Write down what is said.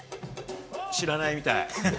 知らないみたい。